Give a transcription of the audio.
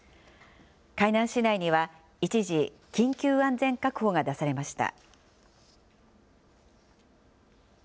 海南市内には、一時、緊急安全確保が出されました。